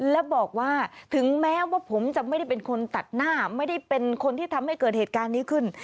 และบอกว่าถึงแม้ว่าผมจะไม่ได้เป็นคนตัดหน้าไม่ได้เป็นคนที่ทำให้เกิดเหตุการณ์นี้ขึ้น